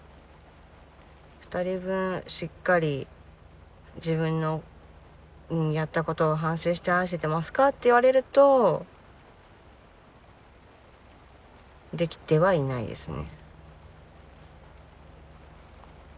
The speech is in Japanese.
２人分しっかり自分のやったことを反省して愛せてますかって言われるとできてはいないですね。